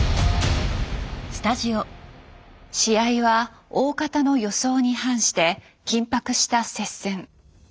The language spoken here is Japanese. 試合は大方の予想に反して緊迫した接戦。